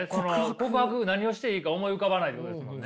告白何をしていいか思い浮かばないってことですもんね。